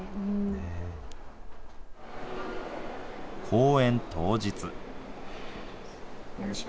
公演当日。